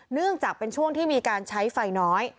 เนื่องจากเป็นช่วงที่มีการใช้ไฟน้อย